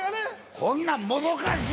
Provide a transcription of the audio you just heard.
こんなんもどかしい。